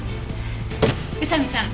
宇佐見さん